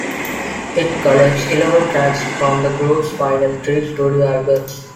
It collects eleven tracks from the group's final three studio albums.